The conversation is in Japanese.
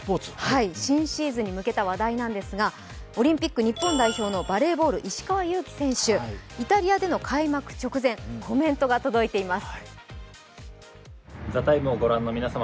新シーズンに向けた話題なんですが、オリンピック日本代表のバレーボール・石川祐希選手、イタリアでの開幕直前コメントが届いています。